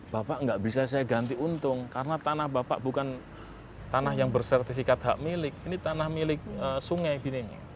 bapak nggak bisa saya ganti untung karena tanah bapak bukan tanah yang bersertifikat hak milik ini tanah milik sungai bine